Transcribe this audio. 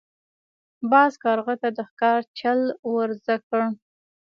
باز کارغه ته د ښکار چل ور زده کړ.